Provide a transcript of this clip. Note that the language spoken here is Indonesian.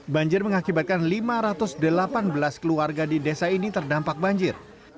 banjir mengakibatkan lima ratus delapan belas keluarga di desa ini terdampak banjir